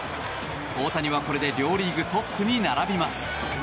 大谷は、これで両リーグトップに並びます。